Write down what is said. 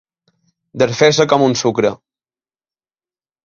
Desfer-se com un sucre.